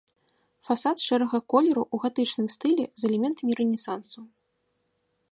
Фасад шэрага колеру ў гатычным стылі з элементамі рэнесансу.